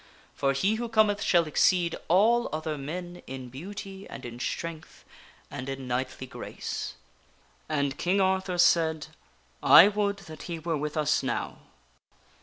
For he who cometh shall exceed all other men in beauty and in strength and in knightly grace." And King Arthur said :" I would that he were with us now."